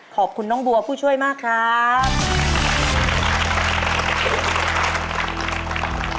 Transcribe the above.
ขอบคุณน้องบัวผู้ช่วยมากครับ